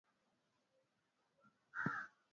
Daraja la mikoko ni kati ya vivutio ndani ya msitu huo